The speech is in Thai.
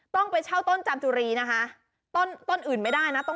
ต้องไปเช่าต้นจามจุรีนะคะต้นต้นอื่นไม่ได้นะ